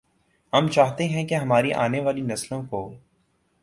ہم چاہتے ہیں کہ ہماری آنے والی نسلوں کو